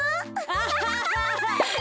アハハハ。